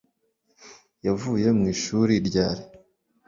yavuye mu ishuri ryari